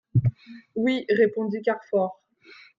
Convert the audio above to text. Oui, répondit Carfor.